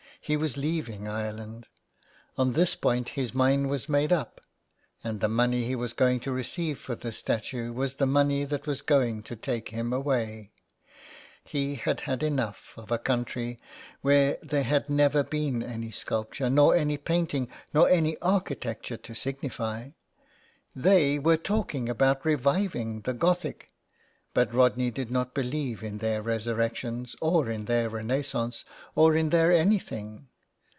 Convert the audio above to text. He was leaving Ireland. On this point his mind was made up, and the money he was going to receive for this statue was the money that was going to take him away. He had had enough 5 IN THE CLAY. of a country where there had never been any sculpture nor any painting, nor any architecture to signify. They were talking about reviving the Gothic, but Rodney did not believe in their resurrections or in their renaissance, or in their anything.